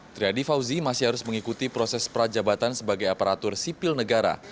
triadi fauzi masih harus mengikuti proses prajabatan sebagai aparatur sipil negara